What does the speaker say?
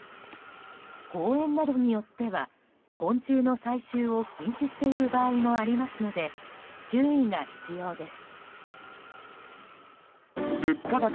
公園などによっては昆虫の採集を禁止している場合もありますので注意が必要です。